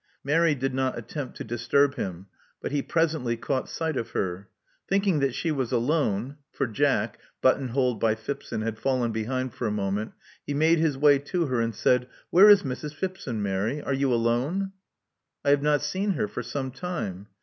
Mary did not attempt to disturb him; but he presently caught sight of her. Thinking that she was alone — for Jack, buttonholed by Phipson, had fallen behind for a moment — he made his way to her and said: "Where is Mrs. Phipson, Mary? Are you alone? • I have not seen her for some time."